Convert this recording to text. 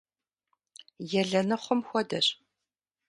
Елэныхъум хуэдэщ.